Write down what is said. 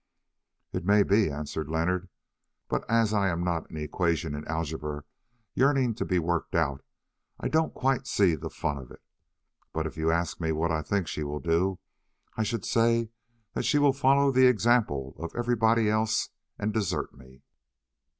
"It may be," answered Leonard; "but as I am not an equation in algebra yearning to be worked out, I don't quite see the fun of it. But if you ask me what I think she will do, I should say that she will follow the example of everybody else and desert me."